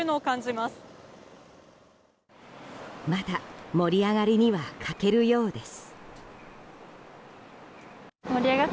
まだ盛り上がりには欠けるようです。